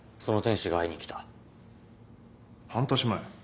半年前？